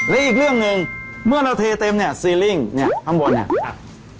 และอีกเรื่องหนึ่งเมื่อเราเทเต็มเนี่ยซีริ่งเนี่ยข้างบนเนี่ย